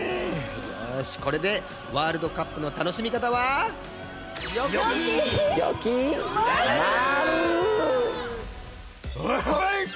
よしこれでワールドカップのたのしみかたは。はいっ！